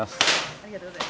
ありがとうございます。